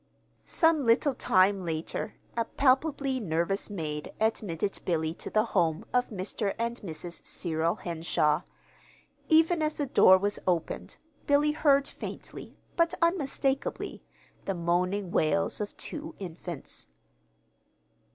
Some little time later, a palpably nervous maid admitted Billy to the home of Mr. and Mrs. Cyril Henshaw. Even as the door was opened, Billy heard faintly, but unmistakably, the moaning wails of two infants.